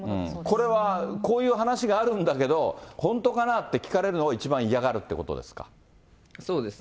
これは、こういう話があるんだけど、本当かなって聞かれるのが一番嫌がるっていうことですか。